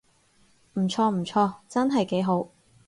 唔錯唔錯，真係幾好